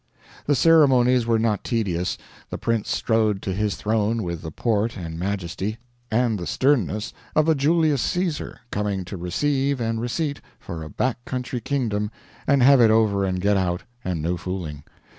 The ceremonies were not tedious. The prince strode to his throne with the port and majesty and the sternness of a Julius Caesar coming to receive and receipt for a back country kingdom and have it over and get out, and no fooling.